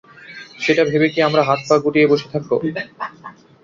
সেটা ভেবে কি আমরা হাত পা গুটিয়ে বসে থাকবো?